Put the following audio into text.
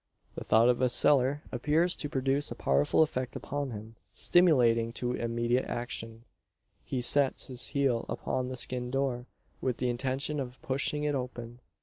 The thought of a cellar appears to produce a powerful effect upon him stimulating to immediate action. He sets his heel upon the skin door, with the intention of pushing it open.